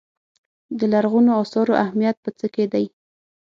د لرغونو اثارو اهمیت په څه کې دی.